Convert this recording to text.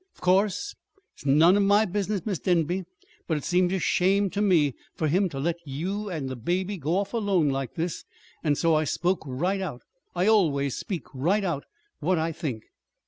"Of course it's none of my business, Mis' Denby, but it seems a shame to me for him ter let you and the baby go off alone like this, and so I spoke right out. I always speak right out what I think."